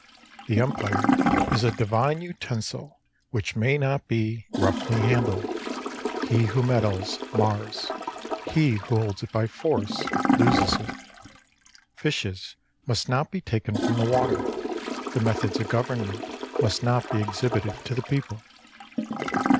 The Empire is a divine utensil which may not be 37 roughly handled. He who meddles, mars. He who holds it by force, loses it. Fishes must not be taken from the water : the methods of government must not be exhibited to the people.